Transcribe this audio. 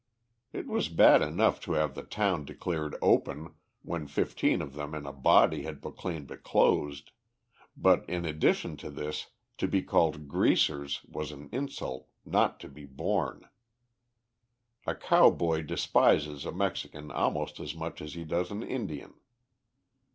It was bad enough to have the town declared open when fifteen of them in a body had proclaimed it closed, but in addition to this to be called "greasers" was an insult not to be borne. A cowboy despises a Mexican almost as much as he does an Indian.